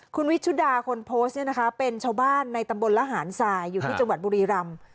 คุณวิชุดาคนโพสต์เนี่ยนะคะเป็นชาวบ้านในตำบลละหารทรายอยู่ที่จังหวัดบุรีรำ